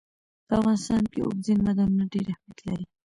په افغانستان کې اوبزین معدنونه ډېر اهمیت لري.